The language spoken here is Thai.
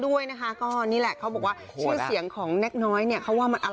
ด้วยนะค่ะก็นี้แหละเขาบอกว่าพูดเสียงของเนกน้อยเนี่ยเขาว่ามัน